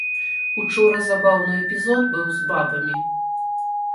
Учора забаўны эпізод быў з бабамі.